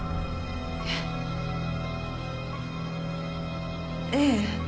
えっ？ええ。